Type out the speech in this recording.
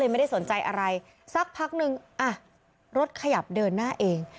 ไม่ได้สนใจอะไรสักพักนึงอ่ะรถขยับเดินหน้าเอง